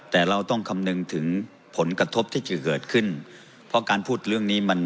แต่เราต้องคำนึงถึงผลกระทบที่จะเกิดขึ้นเพราะการพูดเรื่องนี้มัน